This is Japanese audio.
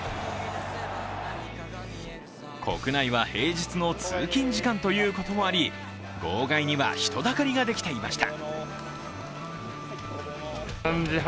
国内は平日の通勤時間ということもあり、号外には人だかりができていました。